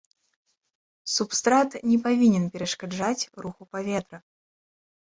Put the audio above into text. Субстрат не павінен перашкаджаць руху паветра.